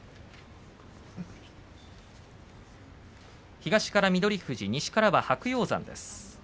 東からは翠富士西から白鷹山です。